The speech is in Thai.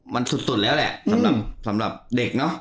มันสุดแล้วแหละสำหรับเด็กเนอะ